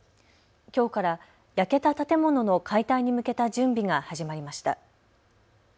きょうから焼けた建物の解体に向けた準備が始まりました。